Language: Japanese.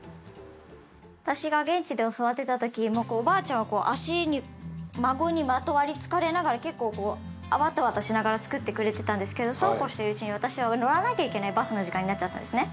私が現地で教わってた時おばあちゃんは足に孫にまとわりつかれながら結構こうワタワタしながらつくってくれてたんですけどそうこうしてるうちに私は乗らなきゃいけないバスの時間になっちゃったんですね。